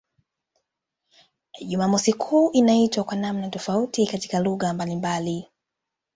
Jumamosi kuu inaitwa kwa namna tofauti katika lugha mbalimbali.